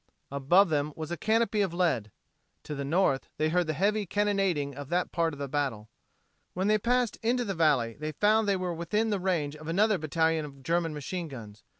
Above them was a canopy of lead. To the north they heard the heavy cannonading of that part of the battle. When they passed into the valley they found they were within the range of another battalion of German machine guns.